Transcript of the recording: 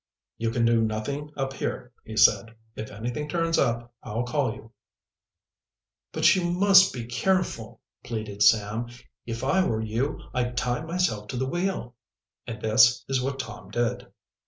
"You can do nothing up here," he said. "If anything turns up, I'll call you." "But you must be careful," pleaded Sam. "If I were you, I'd tie myself to the wheel," and this is what Tom did.